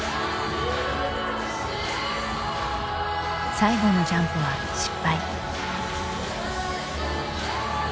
最後のジャンプは失敗。